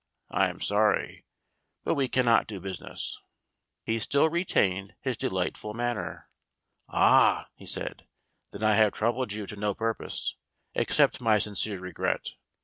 I am sorry, but we cannot do business." He still retained his delightful manner. "Ah!" he said, "then I have troubled you to no purpose. Accept my sincere regret.